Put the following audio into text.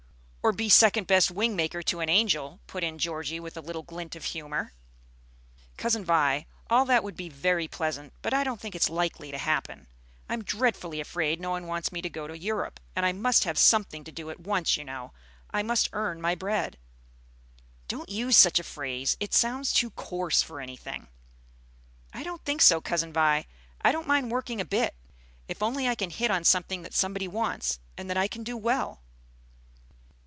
"Or be second best wing maker to an angel," put in Georgie, with a little glint of humor. "Cousin Vi, all that would be very pleasant, but I don't think it is likely to happen. I'm dreadfully afraid no one wants me to go to Europe; and I must have something to do at once, you know. I must earn my bread." "Don't use such a phrase. It sounds too coarse for anything." "I don't think so, Cousin Vi. I don't mind working a bit, if only I can hit on something that somebody wants, and that I can do well."